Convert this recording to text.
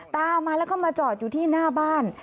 ตามมาแล้วก็มาจอดอยู่ที่หน้าบ้าน